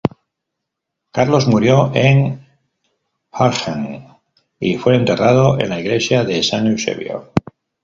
Carlos murió en Arnhem, y fue enterrado en la Iglesia de San Eusebio.